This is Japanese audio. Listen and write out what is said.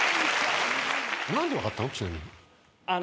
何で分かったの？